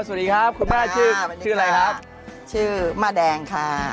สวัสดีครับคุณแม่ชื่อชื่ออะไรครับชื่อแม่แดงค่ะ